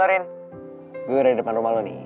halo rin gue udah di depan rumah lo nih